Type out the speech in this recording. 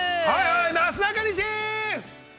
◆なすなかにし！